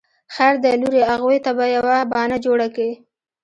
خير دی لورې اغوئ ته به يوه بانه جوړه کې.